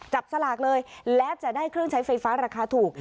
สลากเลยและจะได้เครื่องใช้ไฟฟ้าราคาถูก